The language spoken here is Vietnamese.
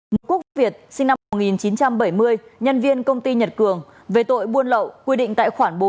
nguyễn quốc việt sinh năm một nghìn chín trăm bảy mươi nhân viên công ty nhật cường về tội buôn lậu quy định tại khoản bốn điều một trăm tám mươi